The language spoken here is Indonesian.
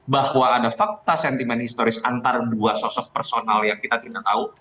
bahwa ada fakta sentimen historis antar dua sosok personal yang kita tidak tahu